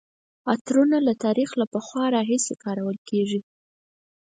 عطرونه د تاریخ له پخوا راهیسې کارول کیږي.